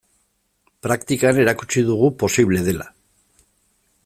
Praktikan erakutsi dugu posible dela.